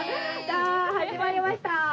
さあ始まりました。